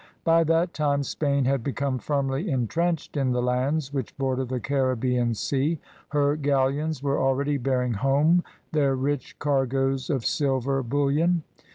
By that time Spain had become firmly entrenched in the lands which border the Caribbean Sea; her galleons were already bearing home their rich cargoes of silver bullion.